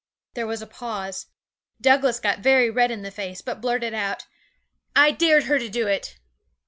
There was a pause. Douglas got very red in the face, but blurted out, 'I dared her to do it.'